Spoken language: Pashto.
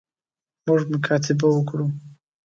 موږ مکاتبه وکړو.